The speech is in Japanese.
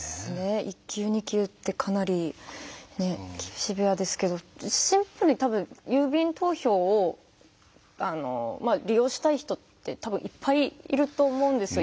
１級２級ってかなりシビアですけどシンプルに多分郵便投票を利用したい人って多分いっぱいいると思うんですよ。